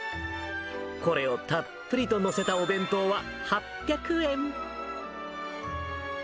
これをたっぷりと載せたお弁当は８００円。